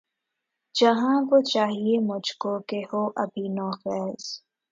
جہاں وہ چاہیئے مجھ کو کہ ہو ابھی نوخیز